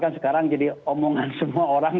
kan sekarang jadi omongan semua orang